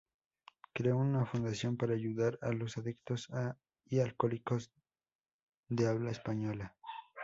Creó una fundación para ayudar a los adictos y alcohólicos de habla española.